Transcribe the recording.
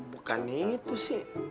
bukan itu sih